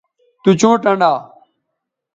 تو چوں ٹنڈا